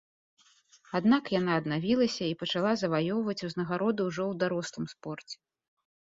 Аднак яна аднавілася і пачала заваёўваць узнагароды ўжо ў дарослым спорце.